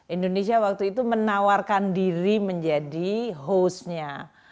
indonesia waktu itu menawarkan diri menjadi hostnya